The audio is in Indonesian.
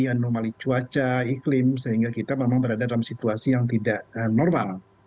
anomali cuaca iklim sehingga kita memang berada dalam situasi yang tidak normal